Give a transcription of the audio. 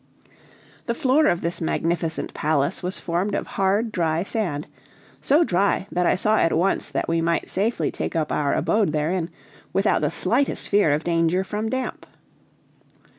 The floor of this magnificent palace was formed of hard, dry sand, so dry that I saw at once that we might safely take up our abode therein, without the slightest fear of danger from damp.